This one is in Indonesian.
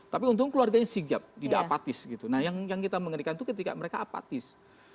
tapi untung keluarganya sigap tidak apatis gitu nah yang kita mengerikan itu ketika mereka apatis